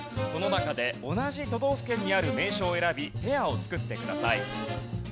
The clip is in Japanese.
この中で同じ都道府県にある名所を選びペアを作ってください。